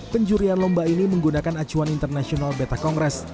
penjurian lomba ini menggunakan acuan internasional beta kongres